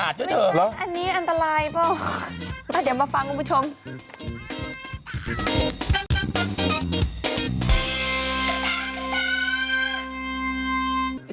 เด็กเกินไป